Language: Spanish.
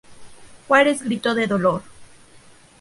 Juárez gritó de dolor.